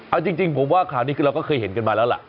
เอาจริงผมว่าข่าวนี้คือเราก็เคยเห็นกันมาแล้วล่ะ